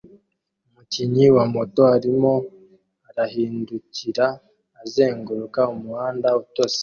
Umukinnyi wa moto arimo arahindukira azenguruka umuhanda utose